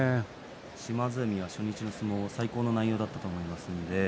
島津海は初日の相撲、最高の相撲だったと思います。